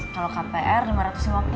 kalau kpr lima ratus lima puluh